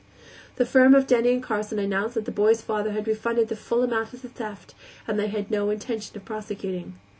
The firm of Denny & Carson announced that the boy's father had refunded the full amount of the theft and that they had no intention of prosecuting.